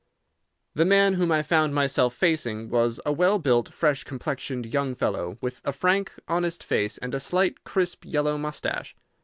The man whom I found myself facing was a well built, fresh complexioned young fellow, with a frank, honest face and a slight, crisp, yellow moustache.